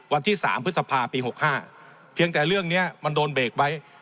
วันที่๓พฤษภาปี๖๕เพียงแต่เรื่องนี้มันโดนเบรกไว้